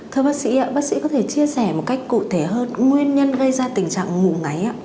thưa bác sĩ bác sĩ có thể chia sẻ một cách cụ thể hơn nguyên nhân gây ra tình trạng ngủ ngáy ạ